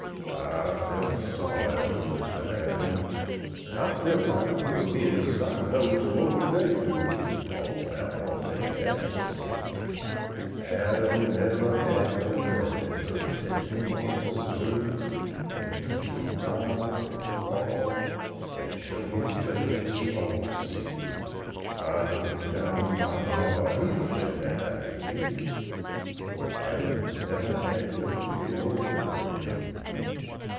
I felt sorry fuh Mistuh Adam, an' I felt like puttin' in, 'Cause I knows mo' dan dey do, all 'bout whut made Adam sin: Adam nevuh had no Mammy, fuh to take him on her knee An' teach him right fum wrong an' show him Things he ought to see. I knows down in my heart he'd a let dat apple be But Adam nevuh had no dear old Ma am my.